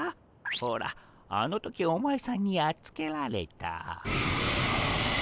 ほらあの時お前さんにやっつけられた。